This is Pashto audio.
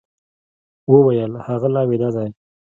وويل هغه لا ويده دی.